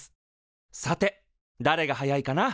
さてだれが速いかな？